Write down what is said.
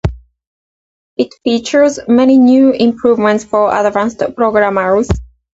It features many new improvements for advanced programmers.